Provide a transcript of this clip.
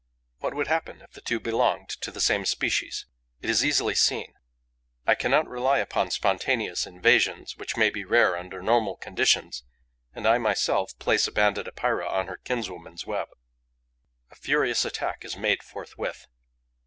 What would happen if the two belonged to the same species? It is easily seen. I cannot rely upon spontaneous invasions, which may be rare under normal conditions, and I myself place a Banded Epeira on her kinswoman's web. A furious attack is made forthwith.